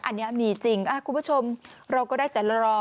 อันนี้มีจริงคุณผู้ชมเราก็ได้แต่รอ